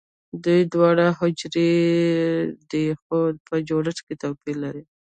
دوی دواړه حجرې دي خو په جوړښت کې توپیر لري